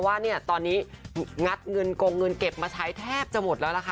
ว่าเนี่ยตอนนี้งัดเงินกงเงินเก็บมาใช้แทบจะหมดแล้วล่ะค่ะ